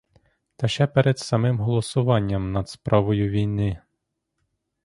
Та ще перед самим голосуванням над справою війни.